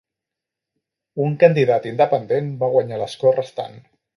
Un candidat independent va guanyar l'escó restant.